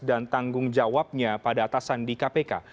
dan menjawabnya pada atasan di kpk